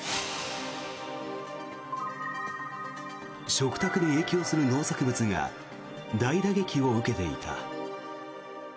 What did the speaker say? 食卓に影響する農作物が大打撃を受けていた。